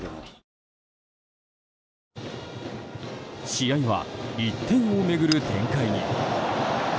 試合は１点を巡る展開に。